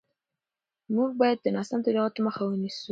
موږ باید د ناسم تبلیغاتو مخه ونیسو.